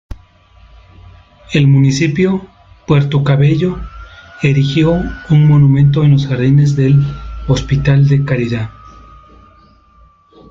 El Municipio Puerto Cabello erigió un monumento en los jardines del "Hospital de Caridad".